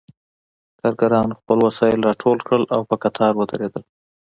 کارګرانو خپل وسایل راټول کړل او په قطار ودرېدل